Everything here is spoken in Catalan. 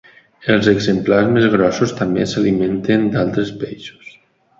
Els exemplars més grossos també s'alimenten d'altres peixos.